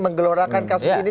menggelorakan kasus ini